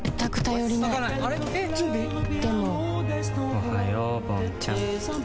おはようぼんちゃん。